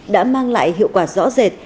đã mang lại hiệu quả rõ rệt